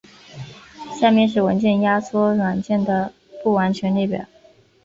下面是文件压缩软件的不完全列表。